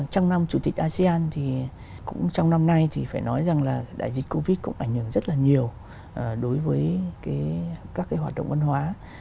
trong năm chủ tịch asean thì cũng trong năm nay thì phải nói rằng là đại dịch covid cũng ảnh hưởng rất là nhiều đối với các cái hoạt động văn hóa